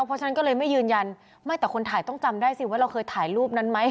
เพราะฉะนั้นก็เลยไม่ยืนยันไม่แต่คนถ่ายต้องจำได้สิว่าเราเคยถ่ายรูปนั้นไหม